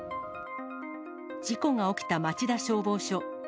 事故が起きた町田消防署。